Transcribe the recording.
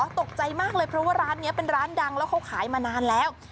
ตกใจมากเลยเพราะว่าร้านนี้เป็นร้านดังแล้วเขาขายมานานแล้ว